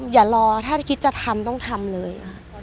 อย่ารอถ้าคิดจะทำต้องทำเลย